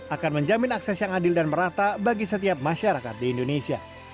akan menjamin akses yang adil dan merata bagi setiap masyarakat di indonesia